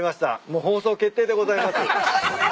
もう放送決定でございます。